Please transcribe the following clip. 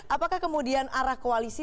apakah kemudian arah koalisi